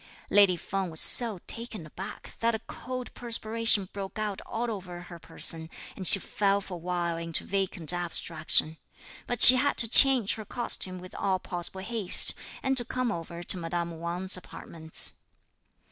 Lady Feng was so taken aback that a cold perspiration broke out all over her person, and she fell for a while into vacant abstraction. But she had to change her costume, with all possible haste, and to come over to madame Wang's apartments.